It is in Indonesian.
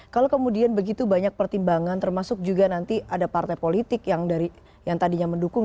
kalau kemudian begitu banyak pertimbangan termasuk juga nanti ada partai politik yang tadinya mendukung